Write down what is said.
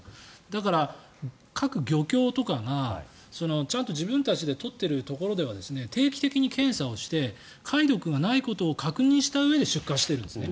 だから、各漁協とかがちゃんと自分たちで取ってるところでは定期的に検査をして貝毒がないことを確認したうえで出荷しているんですね。